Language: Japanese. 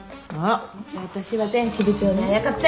私は前支部長にあやかって。